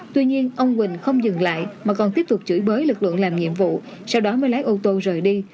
tuy nhiên ông quỳnh không dừng lại mà còn tiếp tục chửi bới lực lượng làm nhiệm vụ sau đó mới lấy ô tô rời đi